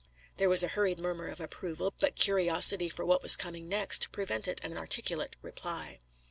There was a hurried murmur of approval, but curiosity for what was coming next prevented an articulate reply.